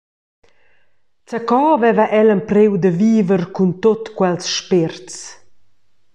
Zaco veva el empriu da viver cun tut quels spérts.